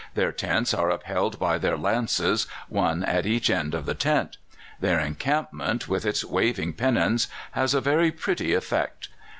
Their tents are upheld by their lances, one at each end of the tent. Their encampment, with its waving pennons, has a very pretty effect.